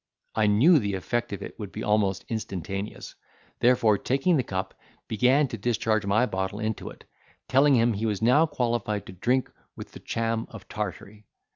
I knew the effect of it would be almost instantaneous; therefore taking the cup, began to discharge my bottle into it, telling him he was now qualified to drink with the Cham of Tartary.